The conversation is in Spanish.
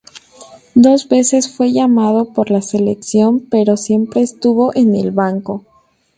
Dos veces fue llamado por la selección pero siempre estuvo en el banco.